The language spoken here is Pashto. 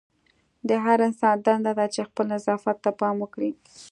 د هر انسان دنده ده چې خپل نظافت ته پام وکړي.